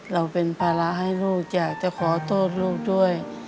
เราเป็นภาระให้ลูกอยากจะขอโทษลูกด้วย